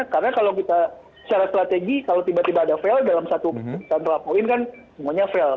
karena kalau kita secara strategi kalau tiba tiba ada fail dalam satu kontrapoin kan semuanya fail